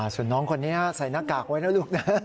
ส่วนน้องคนนี้ใส่หน้ากากไว้นะลูกนะ